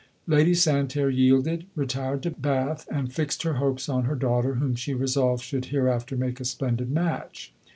Lady Santerre yielded, retired to Bath, and fixed her hopes on her daughter, whom she resolved should hereafter make a splendid match.